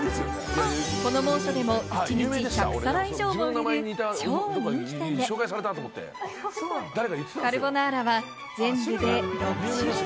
この猛暑でも一日１００皿以上も売れる超人気店で、カルボナーラは全部で６種類。